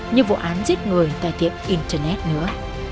như vụ án giết người tại tiệm internet nữa